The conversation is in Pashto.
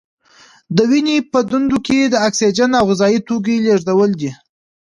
د وینې په دندو کې د اکسیجن او غذايي توکو لیږدول دي.